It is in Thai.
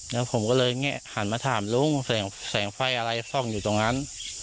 แล้วผมก็เลยหันมาถามลุงแสงไฟอะไรส่องอยู่ตรงนั้น